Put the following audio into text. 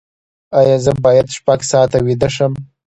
ایا زه باید شپږ ساعته ویده شم؟